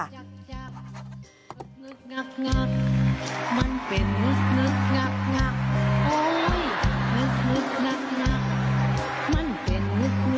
ตึ่มตึ่มตึ่มตึ่มตึ่ม